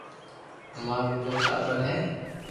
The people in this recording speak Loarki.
امارآ نو ٽاٻر ھي